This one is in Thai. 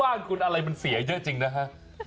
บ้านคุณอะไรมันเสียเยอะจริงนะฮะ